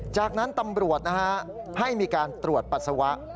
จากนั้นตำรวจให้มีการตรวจปัสสาวะ